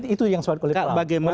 itu yang soal kulit pram